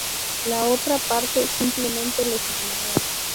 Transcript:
La otra parte, simplemente les ignoró.